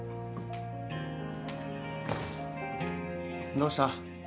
どうした？